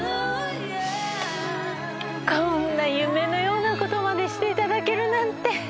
こんな夢のようなことまでしていただけるなんて。